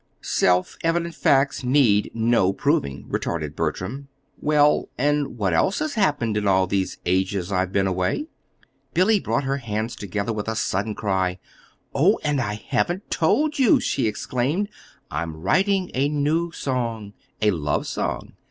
"Self evident facts need no proving," retorted Bertram. "Well, and what else has happened in all these ages I've been away?" Billy brought her hands together with a sudden cry. "Oh, and I haven't told you!" she exclaimed. "I'm writing a new song a love song.